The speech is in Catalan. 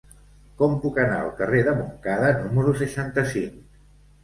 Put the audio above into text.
Com puc anar al carrer de Montcada número seixanta-cinc?